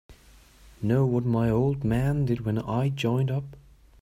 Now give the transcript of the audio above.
Know what my old man did when I joined up?